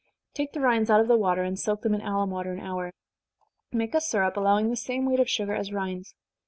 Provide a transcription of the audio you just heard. Take the rinds out of the water, and soak them in alum water an hour. Make a syrup, allowing the same weight of sugar as rinds.